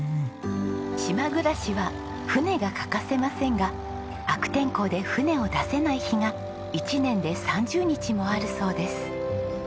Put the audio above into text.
島暮らしは船が欠かせませんが悪天候で船を出せない日が１年で３０日もあるそうです。